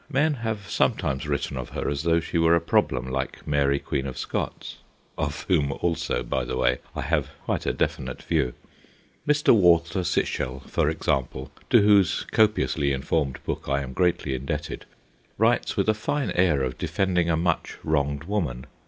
Men have sometimes written of her as though she were a problem like Mary Queen of Scots of whom also, by the way, I have quite a definite view. Mr. Walter 178 THE GHOSTS OF PICCADILLY Sichel, for example, to whose copiously informed book I am greatly indebted, writes with a fine air of defending a much wronged woman.